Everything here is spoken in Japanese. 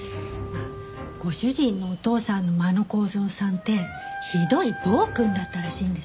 ご主人のお父さんの真野晃三さんってひどい暴君だったらしいんですよ。